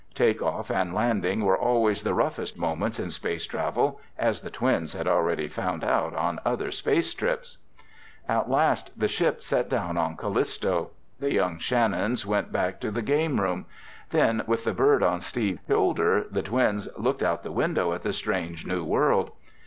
Take off and landing were always the roughest moments in space travel, as the twins had already found out on other space trips. At last the ship set down on Callisto. The young Shannons went back to the game room. Then with the bird on Steve's shoulder, the twins looked out the window at the strange new world.